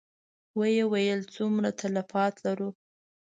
ويې ويل: څومره تلفات لرو؟